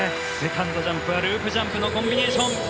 セカンドジャンプはループジャンプのコンビネーション。